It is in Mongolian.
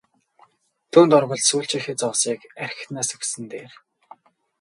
Түүнд орвол сүүлчийнхээ зоосыг архинаас өгсөн нь дээр!